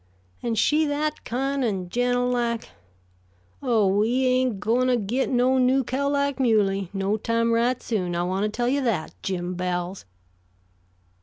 And she that kin' and gentle like oh, we ain't goin' to git no new cow like Muley, no time right soon, I want to tell you that, Jim Bowles."